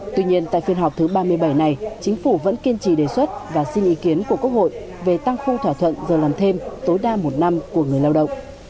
tuy nhiên tại phiên họp thứ ba mươi bảy này chính phủ vẫn kiên trì đề xuất và xin ý kiến của quốc hội về tăng khung thỏa thuận giờ làm thêm tối đa một năm của người lao động